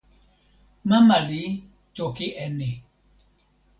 mama li toki e ni.